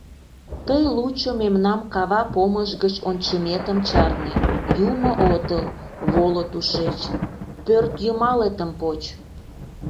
Тый лучо мемнам кава помыш гыч ончыметым чарне, юмо отыл, воло тушеч, пӧртйымалетым поч.